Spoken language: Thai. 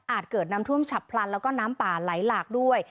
เกิดน้ำท่วมฉับพลันแล้วก็น้ำป่าไหลหลากด้วย